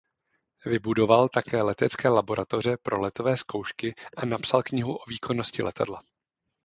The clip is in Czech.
Vybudoval také letecké laboratoře pro letové zkoušky a napsal knihu o výkonnosti letadla.